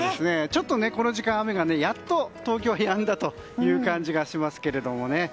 ちょっとこの時間雨がやっと東京やんだという感じがしますけどね。